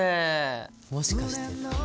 もしかして？